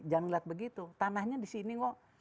jangan lihat begitu tanahnya di sini kok